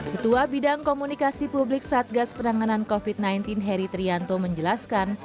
ketua bidang komunikasi publik satgas penanganan covid sembilan belas heri trianto menjelaskan